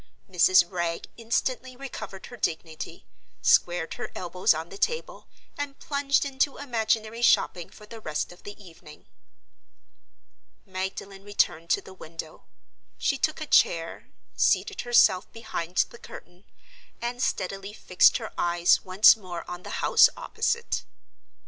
Mrs. Wragge instantly recovered her dignity, squared her elbows on the table, and plunged into imaginary shopping for the rest of the evening. Magdalen returned to the window. She took a chair, seated herself behind the curtain, and steadily fixed her eyes once more on the house opposite.